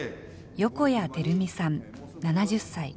横家照美さん７０歳。